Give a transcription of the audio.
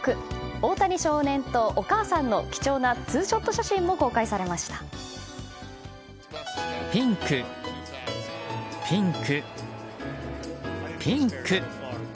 大谷少年とお母さんの貴重なツーショット写真もピンク、ピンク、ピンク！